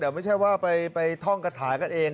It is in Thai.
แต่ไม่ใช่ว่าไปท่องกระถากันเอง